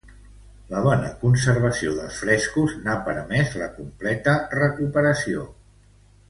La bona conservació dels frescos n'ha permés la completa recuperació.